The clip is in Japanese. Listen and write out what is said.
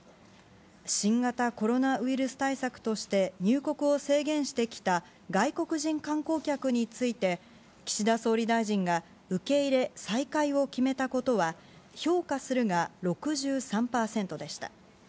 新型コロナウイルス対策として入国を制限してきた外国人観光客について、岸田総理大臣が受け入れ再開を決めたことは、評価するが６３％でした。